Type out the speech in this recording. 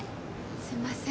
すいません。